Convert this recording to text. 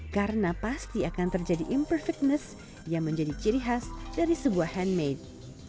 karena pasti akan terjadi imperfectness yang menjadi ciri khas dari sebuah handmade